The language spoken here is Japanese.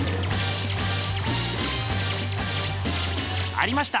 ありました。